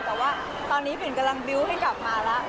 แต่ว่าตอนนี้ปิ่นกำลังบิวต์ให้กลับมาแล้ว